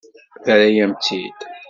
Terra-yam-tt-id.